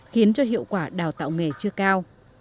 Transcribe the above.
khiến cho hiệu quả đào tạo nghề chưa cao